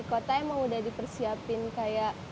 kota emang udah dipersiapin kayak